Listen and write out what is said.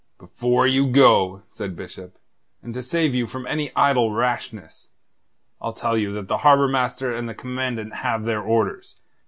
"Before you go," said Bishop, "and to save you from any idle rashness, I'll tell you that the Harbour Master and the Commandant have their orders.